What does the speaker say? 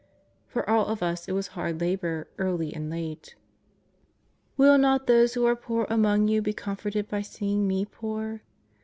For all of us it was hard labour, early and late. ^' Will not those who are poor among you be com forted by seeing Me poor?